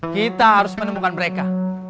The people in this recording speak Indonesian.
kita harus menemukan mereka